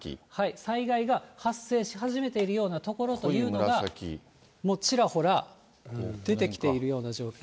災害が発生し始めているような所というのが、もうちらほら出てきているような状況。